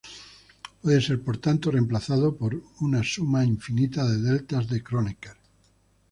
Puede ser por tanto reemplazado por una suma infinita de deltas de Kronecker.